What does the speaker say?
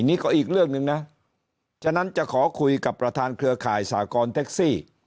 นี่ก็อีกเรื่องหนึ่งนะฉะนั้นจะขอคุยกับประธานเครือข่ายสากรแท็กซี่